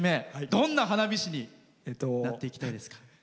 どんな花火師になっていきたいですか？